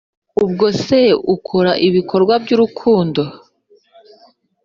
ubwose ukora ibikorwa by’urukundo